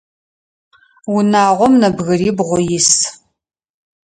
Унагъом нэбгырибгъу ис.